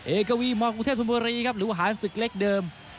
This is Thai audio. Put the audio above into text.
เอกวีมองอุเทศภูมิบรีครับหรือว่าหานสึกเล็กเดิม